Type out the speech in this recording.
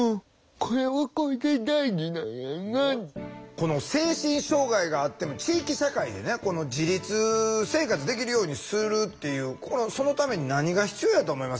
この精神障害があっても地域社会でね自立生活できるようにするっていうそのために何が必要やと思います？